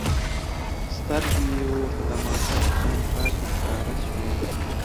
سترګې يې ورته د ماشوم په شان پاکې ښکاره شوې.